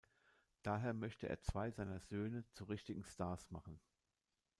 Daher möchte er zwei seiner Söhne zu richtigen Stars machen.